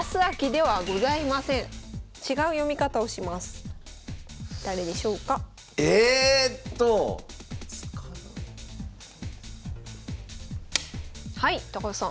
はい高橋さん。